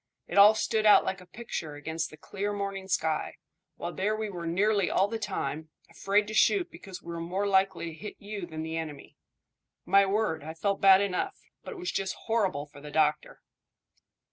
It all stood out like a picture against the clear morning sky, while there we were nearly all the time, afraid to shoot because we were more likely to hit you than the enemy. My word, I felt bad enough, but it was just horrible for the doctor."